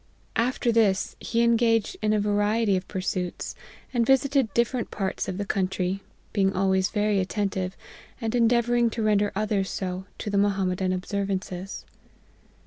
After this he engaged in a varie ty of pursuits, and visited different parts of the country, being always very attentive, and endea vouring to render others so, to the Mohammedan observances.